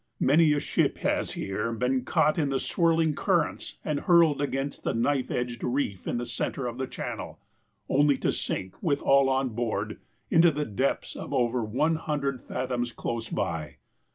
Many a ship has here been caught in the swirling currents, and hurled against the knife edged reef in the centre of the channel, only to sink, with all on board, into the depths of over one hundred fathoms close by.